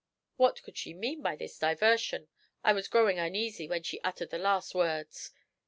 What could she mean by this diversion? I was growing uneasy when she uttered the last words.